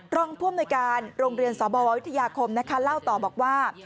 รองพร่อมโนยการโรงเรียนสอบวววิทยาคมเล่าต่อบอกว่า